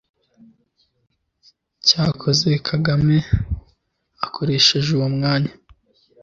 Cyakora Kagame akoresheje uwo mwanya